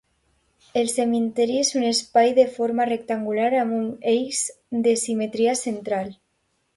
El cementiri és un espai de forma rectangular amb un eix de simetria central.